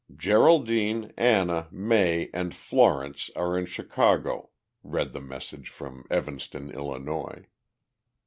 "Geraldine, Anna, May, and Florence are in Chicago," read the message from Evanston, Illinois.